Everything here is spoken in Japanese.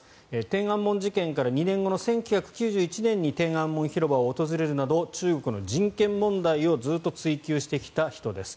天安門事件から２年後の１９９１年に天安門広場を訪れるなど中国の人権問題をずっと追及してきた人です。